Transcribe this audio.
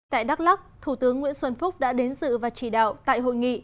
tại đắk lắc thủ tướng nguyễn xuân phúc đã đến dự và chỉ đạo tại hội nghị